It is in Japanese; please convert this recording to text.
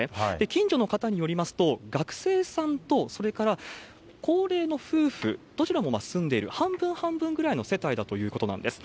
近所の方によりますと、学生さんとそれから高齢の夫婦、どちらも住んでいる、半分半分ぐらいの世帯だということなんです。